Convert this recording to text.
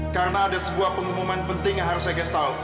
karena ada sebuah pengumuman penting yang harus saya kasih tahu